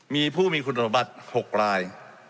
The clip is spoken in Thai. มีผู้มีคุณสมบัติ๖ราย